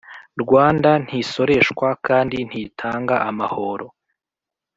Rwanda ntisoreshwa kandi ntitanga amahoro